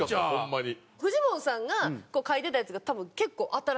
フジモンさんが書いてたやつが多分結構新しくて。